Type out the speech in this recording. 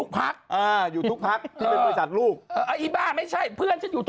ไปปากหมาว่าอย่างไร